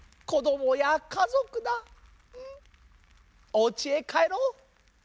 おうちへかえろう。